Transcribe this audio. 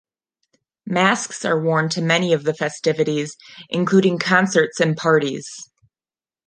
Masks are worn to many of the festivities, including concerts and parties.